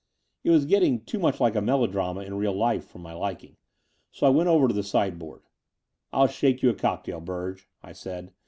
It was getting too much like a melodrama in real life for my liking : so I went over to the sideboard. '*I11 shake you a cocktail, Surge," I said.